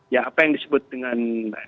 ya apa yang disebut dengan